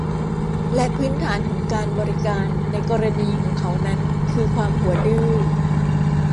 และพื้นฐานของการบริการในกรณีของเขานั้นคือความหัวดื้อ